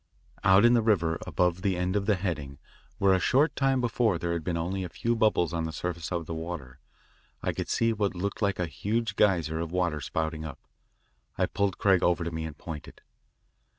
Out in the river above the end of the heading, where a short time before there had been only a few bubbles on the surface of the water, I could see what looked like a huge geyser of water spouting up. I pulled Craig over to me and pointed.